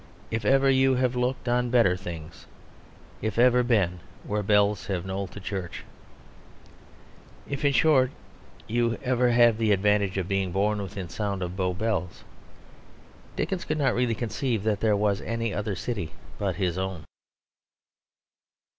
If ever you have looked on better things, If ever been where bells have knolled to church. If, in short, you have ever had the advantage of being born within the sound of Bow bells. Dickens could not really conceive that there was any other city but his own.